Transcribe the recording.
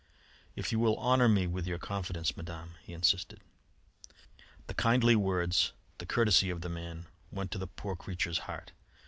"If you will honour me with your confidence, Madame," he insisted. The kindly words, the courtesy of the man, went to the poor creature's heart.